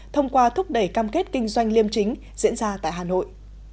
thông qua thúc đẩy cam kết kinh doanh liêm chính diễn ra tại hà nội